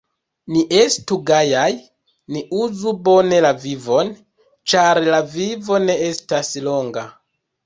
Ni estu gajaj, ni uzu bone la vivon, ĉar la vivo ne estas longa.